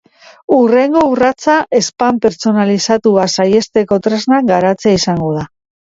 Hurrengo urratsa spam pertsonalizatua saihesteko tresnak garatzea izango da.